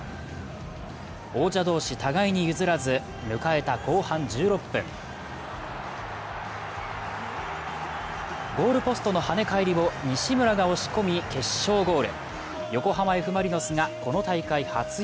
王者同士、互いに譲らず迎えた後半１６分ゴールポストの跳ね返りを西村が押し込み、決勝ゴール。